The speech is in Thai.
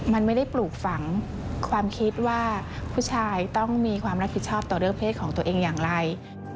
มันไม่ได้ปลูกฝังความคิดว่าผู้ชายต้องมีความรับผิดชอบต่อเรื่องเพศของตัวเองอย่างไร